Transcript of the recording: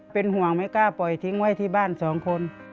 เป็นห่วงไม่กล้าปล่อยทิ้งไว้ที่บ้านสองคน